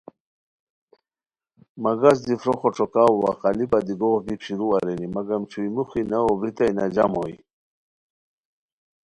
مگس دی فروخو ݯوکاؤ وا قالیپہ دی گوغ بیک شروع ارینی مگم چھوئی موخی نہ اوبریتائے نہ جم ہوئے